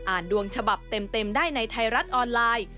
ดวงฉบับเต็มได้ในไทยรัฐออนไลน์